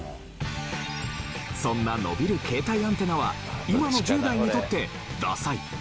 そんな伸びる携帯アンテナは今の１０代にとってダサい？